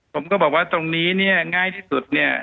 ผมก็บอกว่าตรงนี้เนี่ยง่ายที่สุดเนี่ย